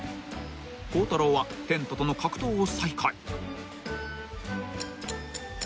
［孝太郎はテントとの格闘を再開］